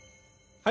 はい。